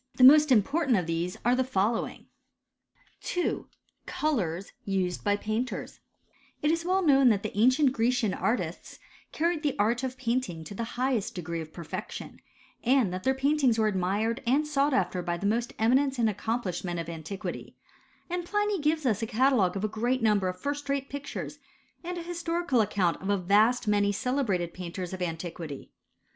The ~ important of these are the following : w I, COLOURS USED BY PAINTERS, s well known that the ancient Grecian artists carried the art of painting lo the highest degree of perfection, and that their paintings were admired and sought after by the most eminent and accomplished men of antiquity ; and Pliny gives us a catalogue of a great number of lirst rate pictures, and a historical account of a vast many celebrated painters of anti quity.